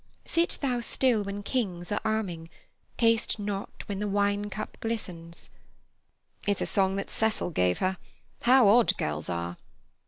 "Sit thou still when kings are arming, Taste not when the wine cup glistens——" "It's a song that Cecil gave her. How odd girls are!"